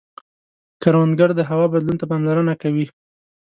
کروندګر د هوا بدلون ته پاملرنه کوي